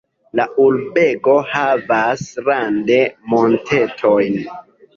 La urbego havas rande montetojn.